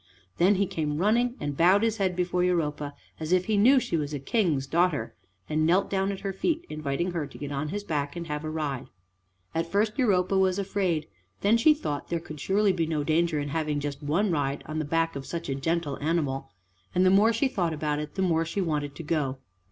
Then he came running and bowed his head before Europa as if he knew she was a King's daughter, and knelt down at her feet, inviting her to get on his back and have a ride. At first Europa was afraid: then she thought there could surely be no danger in having just one ride on the back of such a gentle animal, and the more she thought about it, the more she wanted to go.